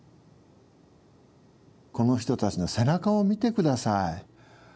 この人たちの背中を見て下さい。